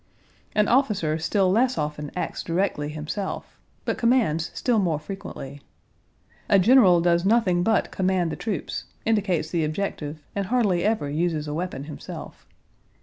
An officer still less often acts directly himself, but commands still more frequently. A general does nothing but command the troops, indicates the objective, and hardly ever uses a weapon himself.